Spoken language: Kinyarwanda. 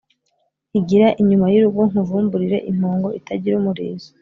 Igira inyuma y'urugo nkuvumburire impongo itagira umurizo